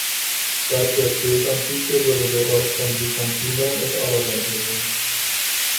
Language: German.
Seit der Spätantike wurde der Ort von Byzantinern und Arabern bewohnt.